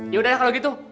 yaudah kalau gitu